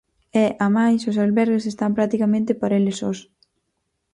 E, amais, os albergues están practicamente para eles sós.